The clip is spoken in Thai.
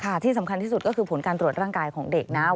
ที่สำคัญที่สุดก็คือผลการตรวจร่างกายของเด็กนะ